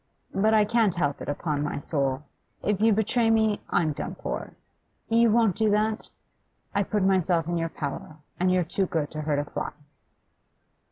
But I can't help it, upon my soul. If you betray me, I'm done for. You won't do that? I put myself in your power, and you're too good to hurt a fly.